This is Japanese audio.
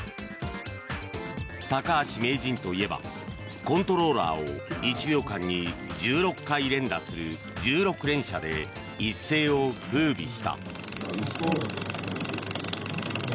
高橋名人といえばコントローラーを１秒間に１６回連打する１６連射で一世を風靡した。